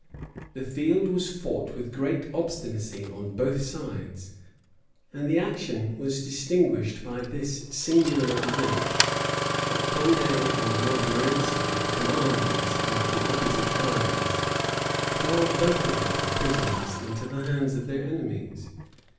The field was fought with great obstinacy on both sides; and the action was distinguished by this singular event, that Condé and Montmorency, the commanders of the opposite armies, fell both of them prisoners into the hands of their enemies.